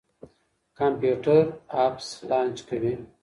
کمپيوټر اپس لانچ کوي.